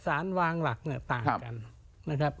สารวางหลักต่างกัน